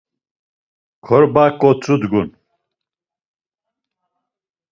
Korba kotzudgun.